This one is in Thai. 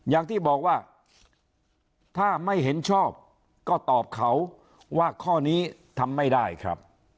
อย่างที่บอกว่าถ้าไม่เห็นชอบก็ตอบเขาว่าข้อนี้ทำไม่ได้ครับ